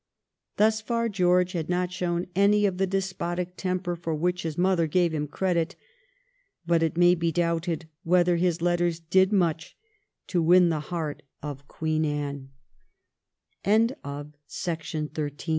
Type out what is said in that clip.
Thus far George had not shown any of the despotic temper for which his mother gave him credit ; but it may be doubted whether his letters did much to win the heart of